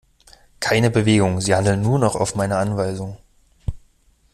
Keine Bewegung, sie handeln nur noch auf meine Anweisung!